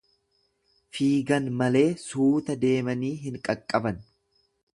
Fiigan malee suuta deemanii hin qaqqaban.